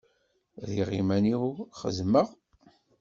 Rriɣ iman-iw xeddmeɣ.